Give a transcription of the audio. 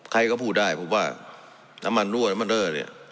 ใครก็พูดได้พูดว่าน้ำมันรั่วน้ำมันเริ่มอะไรอย่างนี้